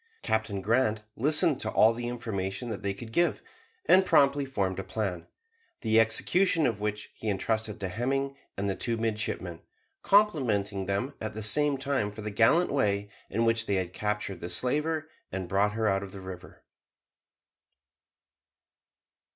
Captain Grant listened to all the information they could give, and promptly formed a plan, the execution of which he entrusted to Hemming and the two midshipmen, complimenting them at the same time for the gallant way in which they had captured the slaver and brought her out of the river.